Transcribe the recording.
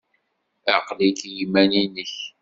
Aql-ik i yiman-nnek?